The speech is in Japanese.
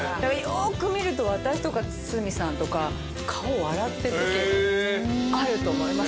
よく見ると私とか堤さんとか顔笑ってるときあると思います。